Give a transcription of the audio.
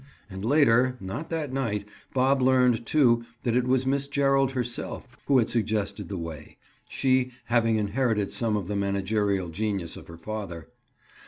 And later, not that night, Bob learned, too, that it was Miss Gerald herself who had suggested the way, she having inherited some of the managerial genius of her father.